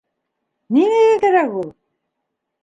Нимәгә кәрәк ул?